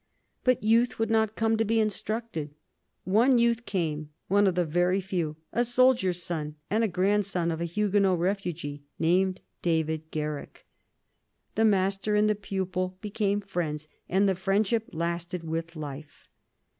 But youth would not come to be instructed. One youth came, one of the very few, a soldier's son and a grandson of a Huguenot refugee, named David Garrick. The master and the pupil became friends, and the friendship lasted with life.